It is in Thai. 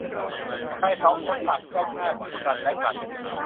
ชายสองคนต่างจ้องหน้าซึ่งกันและกัน